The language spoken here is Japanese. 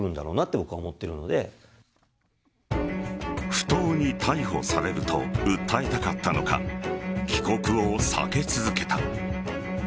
不当に逮捕されると訴えたかったのか帰国を避け続けた。